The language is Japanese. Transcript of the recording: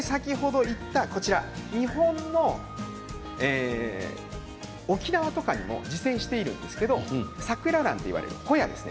先ほど言った日本の沖縄とかに自生しているんですけどサクラランといわれるホヤです。